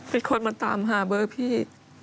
เป็นคนมาตามหาเบอร์พี่